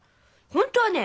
本当はね